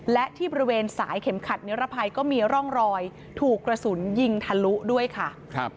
และที่บริเวณสายเข็มขัดนิรภัยก็มีร่องรอยถูกกระสุนยิงทะลุด้วยค่ะ